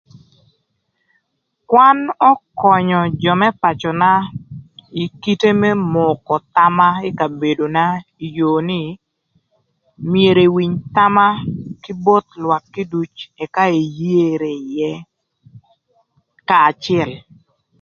Kwan ökönyö jö më pacöna ï kite më moko thama ï kabedona ï yoo nï, myero ewiny thama kï both lwak kiduc ëka eyere ïë, kanya acël.